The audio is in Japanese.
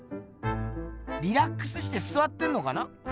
リラックスしてすわってんのかな？